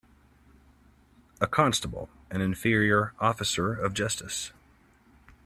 A constable an inferior officer of justice.